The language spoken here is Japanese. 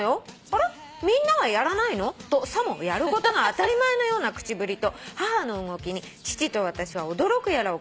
あらみんなはやらないの？』とさもやることが当たり前のような口ぶりと母の動きに父と私は驚くやらおかしいやら」